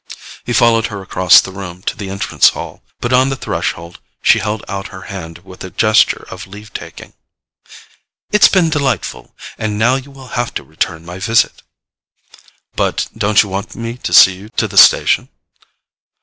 He followed her across the room to the entrance hall; but on the threshold she held out her hand with a gesture of leave taking. "It's been delightful; and now you will have to return my visit." "But don't you want me to see you to the station?"